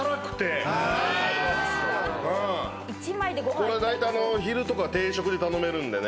これだいたい昼とか定食で頼めるんでね